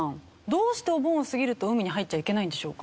どうしてお盆を過ぎると海に入っちゃいけないんでしょうか？